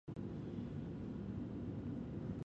ټاکنیز شکایتونه باید واوریدل شي.